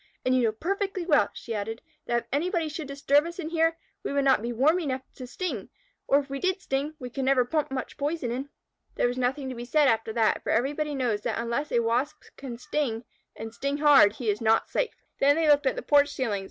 And you know perfectly well," she added, "that if anybody should disturb us in here, we would not be warm enough to sting. Or if we did sting, we could never pump much poison in." There was nothing to be said after that, for everybody knows that unless a Wasp can sting, and sting hard, he is not safe. Then they looked at the porch ceilings.